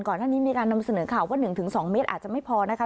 ก่อนหน้านี้มีการนำเสนอข่าวว่า๑๒เมตรอาจจะไม่พอนะคะ